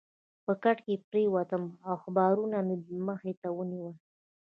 په کټ کې پروت وم او اخبارونه مې مخې ته ونیول.